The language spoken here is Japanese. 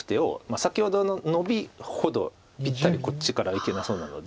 先ほどのノビほどぴったりこっちからいけなそうなので。